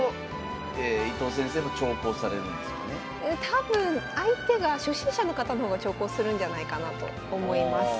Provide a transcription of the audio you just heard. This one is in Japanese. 多分相手が初心者の方のほうが長考するんじゃないかなと思います。